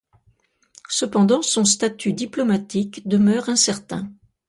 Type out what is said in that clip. Cependant, son statut diplomatique demeure incertain.